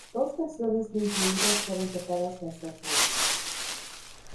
Dos canciones no incluidas fueron tocadas las dos noches.